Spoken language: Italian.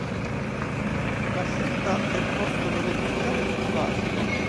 La scelta del posto dove edificare fu facile.